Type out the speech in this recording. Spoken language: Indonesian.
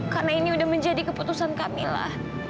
karena ini udah menjadi keputusan kak mila